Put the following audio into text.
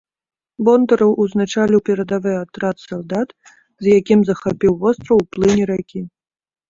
Бондараў ўзначаліў перадавы атрад салдат, з якімі захапіў востраў у плыні ракі.